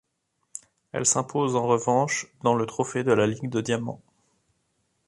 Elle s'impose en revanche dans le trophée de la Ligue de diamant.